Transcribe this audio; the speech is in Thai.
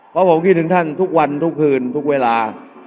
เพราะผมคิดถึงท่านทุกวันทุกคืนทุกเวลา